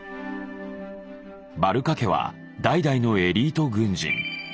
バルカ家は代々のエリート軍人。